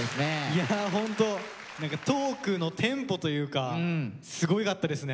いやホント何かトークのテンポというかすごかったですね。